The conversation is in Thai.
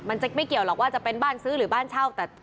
มันจะไม่เกี่ยวหรอกว่าจะเป็นบ้านซื้อหรือบ้านเช่า